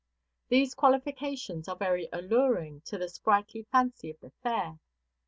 These qualifications are very alluring to the sprightly fancy of the fair.